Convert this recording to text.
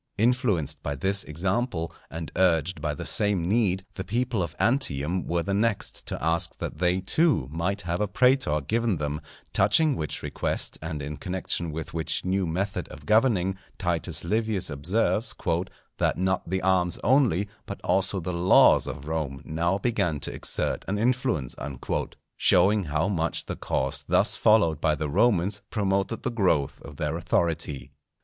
Influenced by this example, and urged by the same need, the people of Antium were the next to ask that they too might have a prætor given them; touching which request and in connection with which new method of governing, Titus Livius observes, "that not the arms only but also the laws of Rome now began to exert an influence;" showing how much the course thus followed by the Romans promoted the growth of their authority.